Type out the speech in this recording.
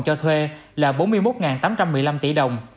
cho thuê là bốn mươi một tám trăm một mươi năm tỷ đồng